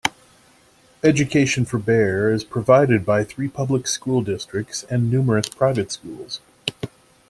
Education for Bear is provided by three public school districts and numerous private schools.